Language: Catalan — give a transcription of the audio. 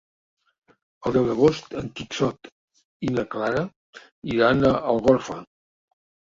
El deu d'agost en Quixot i na Clara iran a Algorfa.